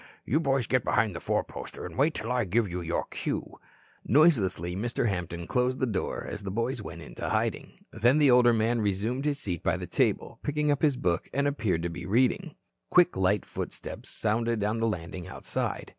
You boys get behind the four poster and wait until I give you your cue." Noiselessly Mr. Hampton closed the door, as the boys went into hiding. Then the older man resumed his seat by the table, picked up his book, and appeared to be reading. Quick, light footsteps sounded on the landing outside.